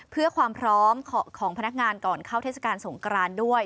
เพื่อความพร้อมของพนักงานก่อนเข้าเทศกาลสงกรานด้วย